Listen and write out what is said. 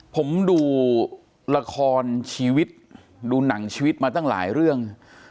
ผมดูละครชีวิตดูหนังชีวิตมาตั้งหลายเรื่อง